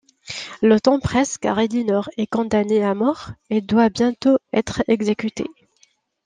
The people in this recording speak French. Le temps presse car Elinor est condamnée à mort et doit bientôt être exécutée...